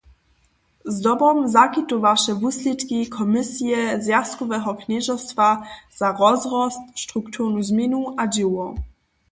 Zdobom zakitowaše wuslědki komisije zwjazkoweho knježerstwa za rozrost, strukturnu změnu a dźěło.